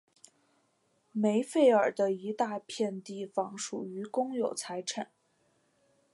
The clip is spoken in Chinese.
梅费尔的一大片地方属于公有财产。